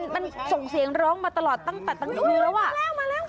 นั้นส่งเสียงร้องมาตลอดตั้งแต่ตังคืน